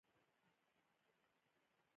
تا یوه هیله برباد کړه.